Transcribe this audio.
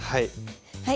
はい。